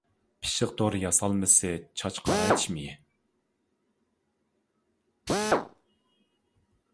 پىششىق دورا ياسالمىسى چاچ قارايتىش مېيى.